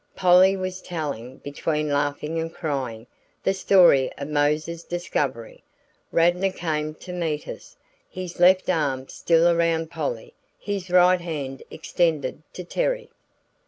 Polly was telling, between laughing and crying, the story of Mose's discovery. Radnor came to meet us, his left arm still around Polly, his right hand extended to Terry.